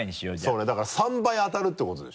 そうねだから３倍当たるってことでしょ？